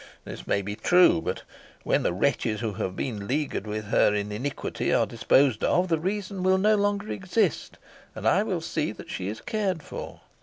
This may be true; but when the wretches who have been leagued with her in iniquity are disposed of, the reason will no longer exist, and I will see that she is cared for.